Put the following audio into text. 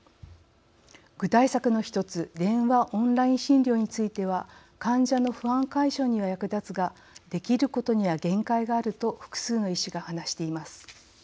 具体策の一つ電話・オンライン診療については患者の不安解消には役立つができることには限界があると複数の医師が話しています。